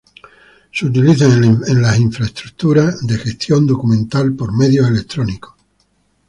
Se utilizan en infraestructuras de gestión documental por medios electrónicos.